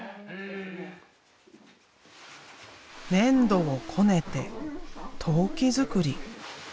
粘土をこねて陶器作り。